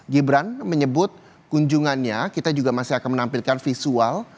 gibran menyebut kunjungannya kita juga masih akan menampilkan visual